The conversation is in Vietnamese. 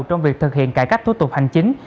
trong việc thực hiện cải cách thủ tục hành chính